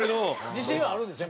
自信はあるんですね？